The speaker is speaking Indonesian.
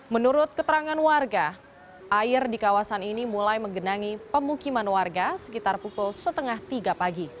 menurut keterangan warga air di kawasan ini mulai menggenangi pemukiman warga sekitar pukul setengah tiga pagi